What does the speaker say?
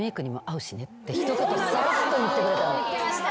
一言さらっと言ってくれたの。